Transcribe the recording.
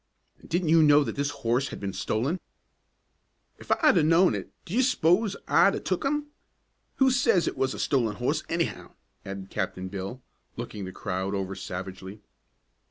"And didn't you know that this horse had been stolen?" "If I had 'a' knowed it, do you s'pose I'd 'a' took 'im? Who says it was a stolen hoss, anyhow?" added Captain Bill, looking the crowd over savagely.